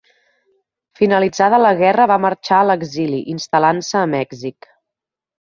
Finalitzada la guerra va marxar a l'exili, instal·lant-se a Mèxic.